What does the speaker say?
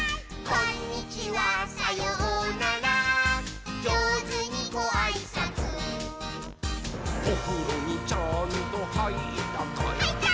「こんにちはさようならじょうずにごあいさつ」「おふろにちゃんとはいったかい？」はいったー！